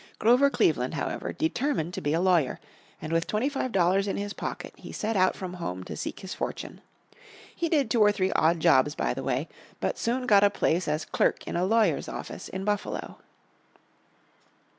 Grover Cleveland, however, determined to be a lawyer, and with twenty five dollars in his pocket he set out from home to seek his fortune. He did two or three odd jobs by the way, but soon got a place as clerk in a lawyer's office in Buffalo.